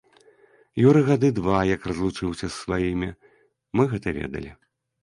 Юры гады два як разлучыўся з сваімі, мы гэта ведалі.